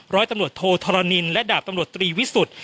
ร้อยตำรวจโทธรณินและดาบตำรวจตรีวิสุทธิ์